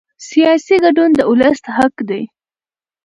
سیاسي ګډون د ولس حق دی